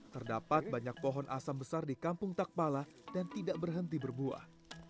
terdapat banyak pohon asam besar di kampung takpala dan tidak berhenti berbuah